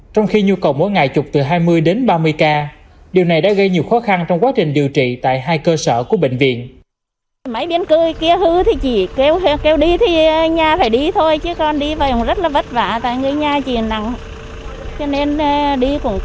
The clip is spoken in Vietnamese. trong khi nhu cầu mỗi ngày chụp từ hai mươi đến ba mươi ca điều này đã gây nhiều khó khăn trong quá trình điều trị tại hai cơ sở của bệnh viện